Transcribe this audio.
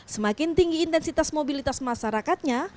semakin tinggi intensitas mobilitas masyarakatnya